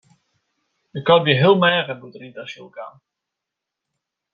De kat wie heel meager doe't er yn it asyl kaam.